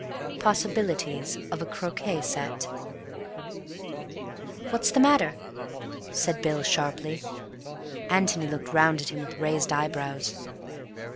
Possibilities of a Croquet Set "What's the matter?" said Bill sharply. Antony looked round at him with raised eyebrows.